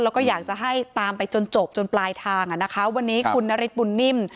เราก็อยากจะให้ตามไปจนจบจนปลายทางวันนี้คุณนาริสปุ่นนิ่ม